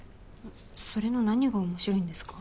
それの何がおもしろいんですか？